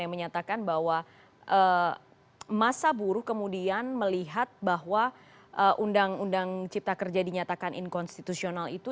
yang menyatakan bahwa masa buruh kemudian melihat bahwa undang undang cipta kerja dinyatakan inkonstitusional itu